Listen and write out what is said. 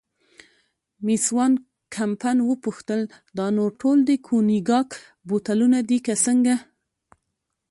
مېس وان کمپن وپوښتل: دا نور ټول د کونیګاک بوتلونه دي که څنګه؟